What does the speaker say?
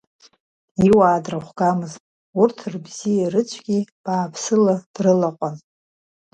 Иуаа дрыҟәгамызт, урҭ рыбзиеи рыцәгьеи бааԥсыла дрылаҟан.